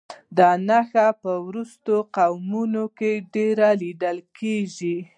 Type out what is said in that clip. دا نښې په راوروسته قومونو کې ډېرې لیدل کېږي.